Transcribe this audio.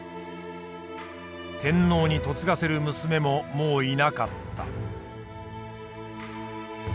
天皇に嫁がせる娘ももういなかった。